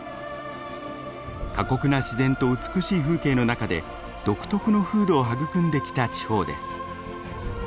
過酷な自然と美しい風景の中で独特の風土を育んできた地方です。